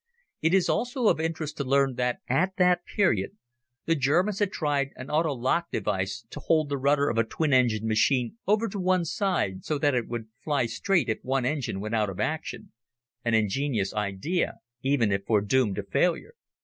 It is also of interest to learn that at that period the Germans had tried an auto lock device to hold the rudder of a twin engined machine over to one side so that it would fly straight if one engine went out of action, an ingenious idea even if foredoomed to failure.